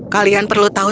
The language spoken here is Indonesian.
kalian perlu tahu